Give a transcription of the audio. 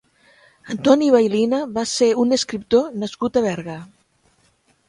Antoni Baylina va ser un escriptor nascut a Berga.